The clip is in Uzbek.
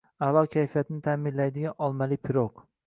A’lo kayfiyatni ta’minlaydigan olmali pirog